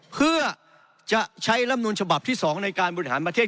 เพื่อจะใช้ลำนูลฉบับที่๒ในการบริหารประเทศ